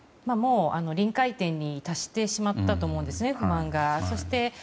臨界点に達してしまったと思うんですね、不満が。